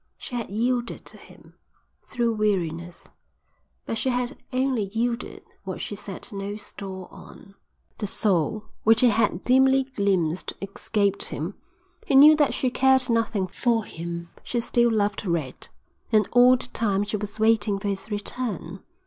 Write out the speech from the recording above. She had yielded to him, through weariness, but she had only yielded what she set no store on. The soul which he had dimly glimpsed escaped him. He knew that she cared nothing for him. She still loved Red, and all the time she was waiting for his return.